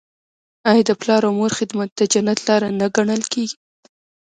آیا د پلار او مور خدمت د جنت لاره نه ګڼل کیږي؟